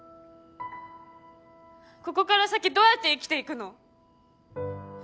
ここから先どうやって生きて行くの？